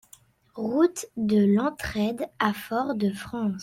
Route de l'Entraide à Fort-de-France